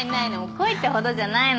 恋ってほどじゃないの。